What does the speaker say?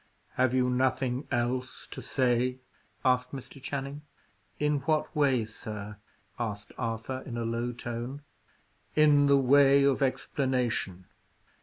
"Have you nothing else to say?" asked Mr. Channing. "In what way, sir?" asked Arthur, in a low tone. "In the way of explanation.